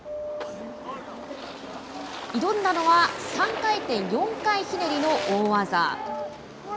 挑んだのは３回転４回ひねりの大技。